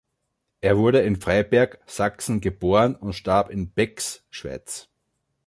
Er wurde in Freiberg, Sachsen, geboren und starb in Bex, Schweiz.